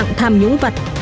lạng thàm nhúng vặt